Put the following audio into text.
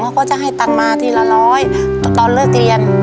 เขาก็จะให้ตังค์มาทีละร้อยตอนเลิกเรียน